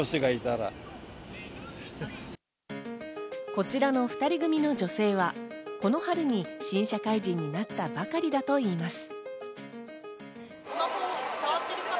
こちらの２人組の女性は、この春に新社会人になったばかりだといいます。